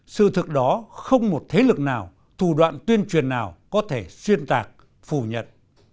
sự thực đó không một thế lực nào thủ đoạn tuyên truyền nào có thể xuyên tạc phủ nhận